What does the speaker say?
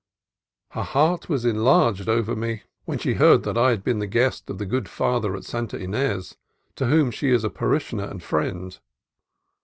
Her heart was enlarged over me when she heard that I had been the guest of the good Father at Santa Ines, to whom she is pa rishioner and friend.